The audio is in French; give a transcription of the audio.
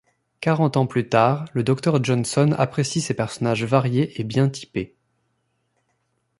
Quarante ans plus tard le Docteur Johnson apprécie ses personnages variés et bien typés.